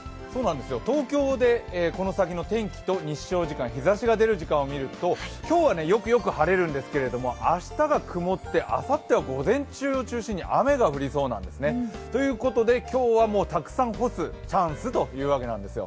東京でこの先の天気と日照時間、日ざしが出る時間を見ると今日はよくよく晴れるんですけれども、明日が曇ってあさっては午前中を中心に雨が降りそうなんですね。ということで、今日はたくさん干すチャンスというわけなんですよ。